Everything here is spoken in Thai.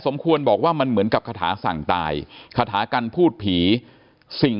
สมควรบอกว่ามันเหมือนกับคาถาสั่งตายคาถากันพูดผีสิ่ง